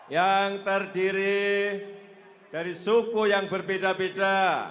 yang terdiri dari suku yang berbeda beda